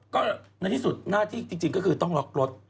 ก็ในที่สุดหน้าที่จริงก็คือต้องล็อกรถ